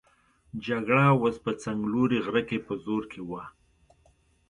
جګړه اوس په څنګلوري غره کې په زور کې وه.